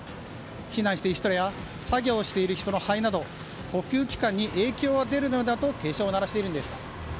避難している人や作業している人の肺など呼吸器官に影響が出るのだと警鐘を鳴らしているんです。